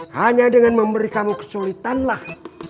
hanya dengan memberi kamu kesulitanlah